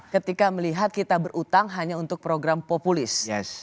ketika melihat kita berutang hanya untuk program populis